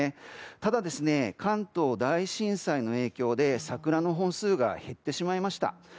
ただ、関東大震災の影響で桜の本数が減ってしまいました。